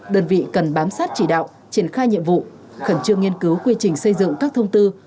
đơn vị cần bám sát chỉ đạo triển khai nhiệm vụ khẩn trương nghiên cứu quy trình xây dựng các thông tư